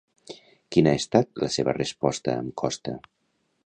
Quina ha estat la seva resposta amb Costa?